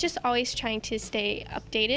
jadi kami selalu mencoba untuk tetap berupdate